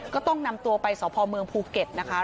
ก็ต้องนำตัวไปสพเมืองภูเก็ตนะคะ